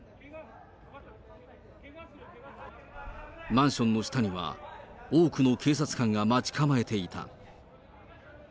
マンションの下には、多くの警察官が待ち構えていた。